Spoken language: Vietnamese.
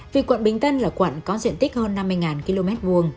vì quận bình tân là quận có diện tích hơn năm mươi km hai